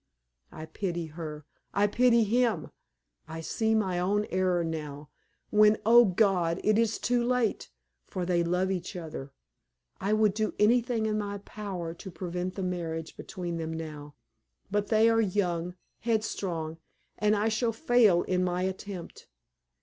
I pity her, I pity him! I see my own error now, when, oh, God! it is too late; for they love each other. I would do anything in my power to prevent the marriage between them now; but they are young, headstrong, and I shall fail in my attempt.